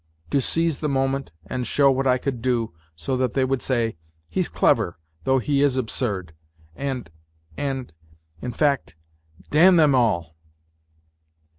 To seize the moment and show what I could do, so that they would say, " He's clever, though he is absurd," and ... and ... in fact, damn them all!